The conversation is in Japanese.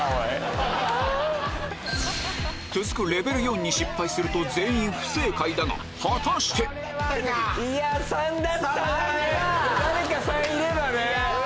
続くレベル４に失敗すると全員不正解だが果たして⁉誰か３いればね。